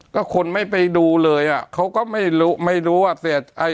ก็คนไม่ไปดูเลยอะเขาก็ไม่รู้ว่า